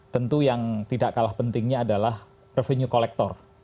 tentu yang tidak kalah pentingnya adalah revenue collector